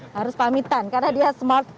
harus pamitan karena dia smart car ya